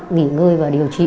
nghỉ ngơi và điều trị